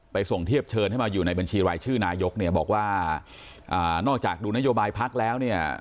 ไปส่งเทียบเชิญให้มาอยู่ในบัญชีรายชื่อนายกบอกว่านอกจากดูนโยบายภักดิ์แล้ว